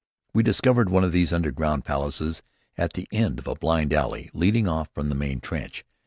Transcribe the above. We discovered one of these underground palaces at the end of a blind alley leading off from the main trench.